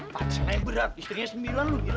pacarnya berat istrinya sembilan lu gila